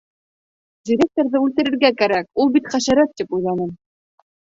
Директорҙы үлтерергә кәрәк, ул бит хәшәрәт, тип уйланым.